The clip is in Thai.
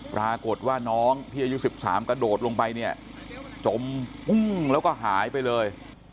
ปรากฏว่าน้องที่อายุ๑๓กระโดดลงไปเนี่ยจมแล้วก็หายไปเลย